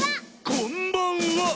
「こんばんは！」